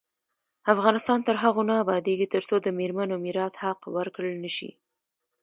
افغانستان تر هغو نه ابادیږي، ترڅو د میرمنو میراث حق ورکړل نشي.